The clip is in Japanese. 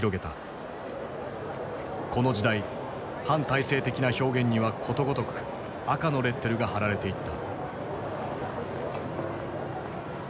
この時代反体制的な表現にはことごとく「赤」のレッテルが貼られていった。